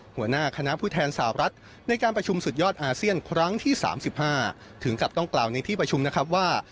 หัวหน้าคณะผู้แทนสาวรัฐในการประชุมสุดยอดอาเซียนครั้งที่๓๕ถึงกับต้องกล่าวในที่ประชุมนะครับว่า